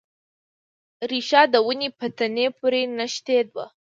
ریښه د ونې په تنې پورې نښتې وه.